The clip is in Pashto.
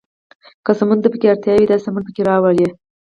که سمون ته پکې اړتیا وي، داسې سمون پکې راولئ.